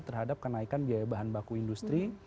terhadap kenaikan biaya bahan baku industri